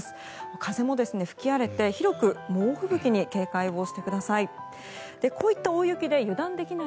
風も吹き荒れて広く猛吹雪に警戒をしてください。